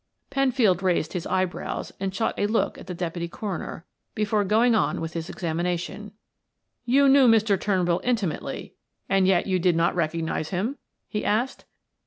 Penfield raised his eyebrows and shot a look at the deputy coroner before going on with his examination. "You knew Mr. Turnbull intimately, and yet you did not recognize him?" he asked.